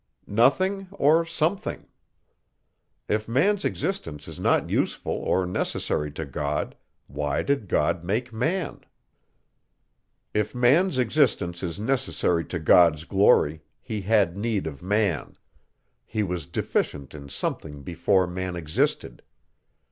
Nothing, or something? If man's existence is not useful or necessary to God, why did God make man? If man's existence is necessary to God's glory, he had need of man; he was deficient in something before man existed.